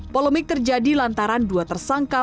polemik terjadi lantaran dua tersangka